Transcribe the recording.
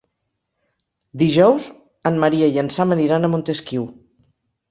Dijous en Maria i en Sam aniran a Montesquiu.